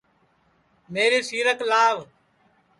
میری سیرک لاوَ